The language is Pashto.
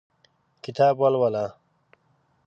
کتاب ولوله !